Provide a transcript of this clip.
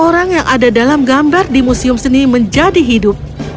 orang yang ada dalam gambar di museum seni menjadi hidup